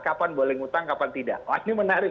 kapan boleh ngutang kapan tidak wah ini menarik